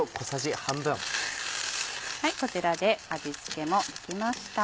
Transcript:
こちらで味付けもできました。